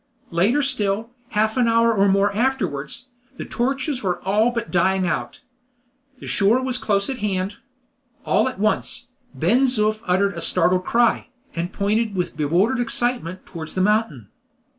Later still, half an hour or more afterwards, the torches were all but dying out. The shore was close at hand. All at once, Ben Zoof uttered a startled cry, and pointed with bewildered excitement towards the mountain.